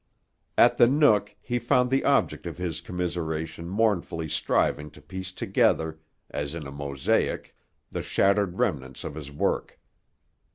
At the Nook he found the object of his commiseration mournfully striving to piece together, as in a mosaic, the shattered remnants of his work.